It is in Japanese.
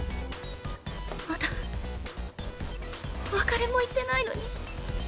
まだお別れも言ってないのに。